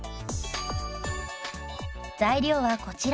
材料はこちら。